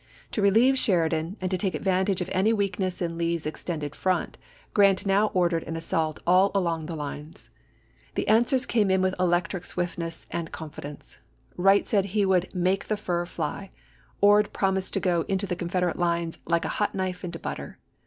To relieve Sheridan and to take advantage of any weakness in Lee's extended front, Grant now ordered an assault all along the lines. The answers came in with electric swiftness and confidence: Wright said he would " make the fur fly "; Ord promised to go into the Confederate lines "like a hot knife into butter."